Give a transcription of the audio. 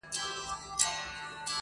• حقيقت لا هم پټ دی ډېر,